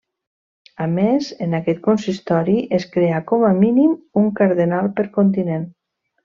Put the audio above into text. A més, en aquest consistori, es creà com a mínim un cardenal per continent.